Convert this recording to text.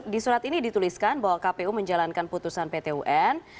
di surat ini dituliskan bahwa kpu menjalankan putusan pt un